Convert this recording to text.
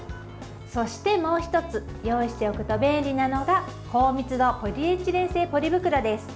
そしてもう１つ用意しておくと便利なのが高密度ポリエチレン製ポリ袋です。